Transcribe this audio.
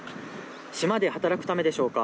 島で働くためでしょうか。